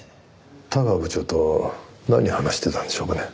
田川部長と何話してたんでしょうかね。